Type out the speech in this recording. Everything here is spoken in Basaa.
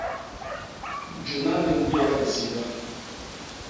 Juna li ñgwiya i siga.